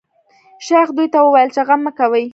شیخ دوی ته وویل چې غم مه کوی.